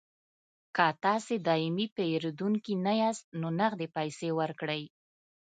که تاسې دایمي پیرودونکي نه یاست نو نغدې پیسې ورکړئ